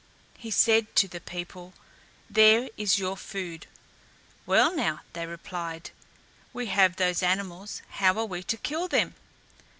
He said to the people, "There is your food." "Well, now," they replied; "we have those animals, how are we to kill them?"